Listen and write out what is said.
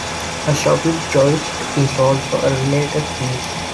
A soffit joist is also a related piece.